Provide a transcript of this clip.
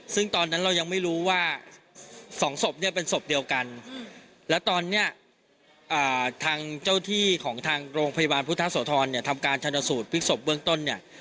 ซึ่งตอนนั้นเรายังไม่รู้ว่าสองศพเนี่ยเป็นศพเดียวกันและตอนนี้ทางเจ้าที่ของทางโรงพยาบาลพุทธโสธรเนี่ยทำการชนสูตรพลิกศพเบื้องต้นเนี่ย